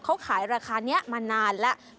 เขาขายราคานี้มานานแล้ว